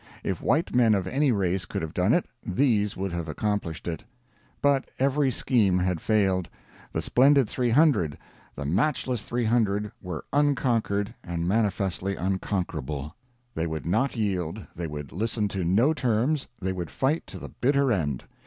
If white men of any race could have done it, these would have accomplished it. But every scheme had failed, the splendid 300, the matchless 300 were unconquered, and manifestly unconquerable. They would not yield, they would listen to no terms, they would fight to the bitter end.